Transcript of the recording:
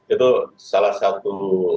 itu salah satu